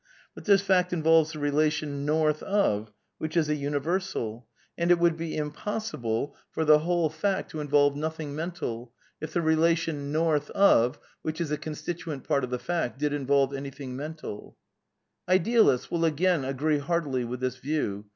But this fact involves the relation ' north of,' which is a universal, and it would be impossible for the \ 178 A DEFENCE OF IDEALISM whole fact to inyolye nothing mental, if the relation ^ north of/ which is a constituent part of the fact, did involve anything mentaL" (Idealists will again agree heartily with this view.